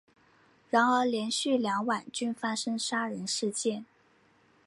然而连续两晚均发生杀人事件。